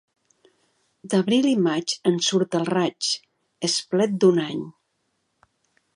D'abril i maig en surt el raig, esplet d'un any.